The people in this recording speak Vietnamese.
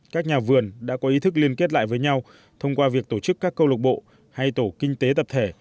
các nhà vườn đã có ý thức liên kết lại với nhau thông qua việc tổ chức các câu lục bộ hay tổ kinh tế tập thể